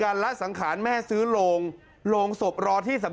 วันนี้มันเป็นเช่นหน่อย